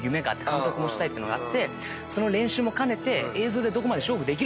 監督もしたいっていうのがあってその練習も兼ねて映像でどこまで勝負できるのか。